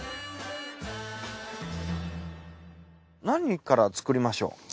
何から作りましょう？